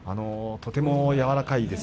とても柔らかいです。